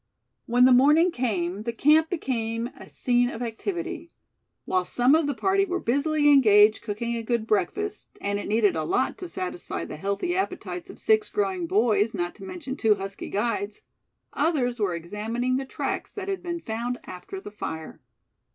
When the morning came, the camp became a scene of activity. While some of the party were busily engaged cooking a good breakfast and it needed a lot to satisfy the healthy appetites of six growing boys, not to mention two husky guides, others were examining the tracks that had been found after the fire.